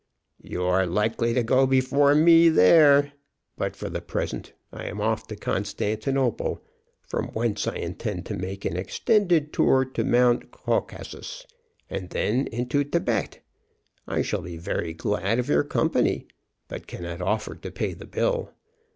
"You are likely to go before me there. But for the present I am off to Constantinople, from whence I intend to make an extended tour to Mount Caucasus, and then into Thibet. I shall be very glad of your company, but cannot offer to pay the bill.